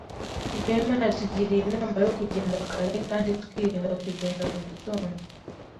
Rwema yatugiriye inama yo kugenda kare kandi twirinda kugenda mu gitondo.